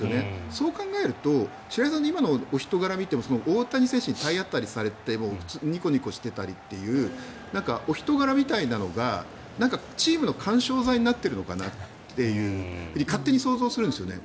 そう考えると白井さんの今のお人柄を見ても大谷選手に体当たりされてもニコニコしてたりっていうお人柄みたいなのがチームの緩衝材になっているのかなと勝手に想像するんですね。